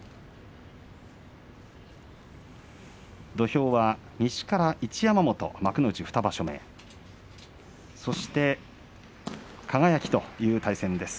土俵は西から一山本幕内２場所目そして輝という対戦です。